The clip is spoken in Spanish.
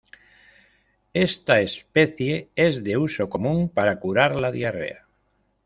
Esta especie es de uso común para curar la diarrea.